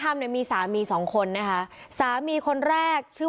แม่แม่แม่แม่แม่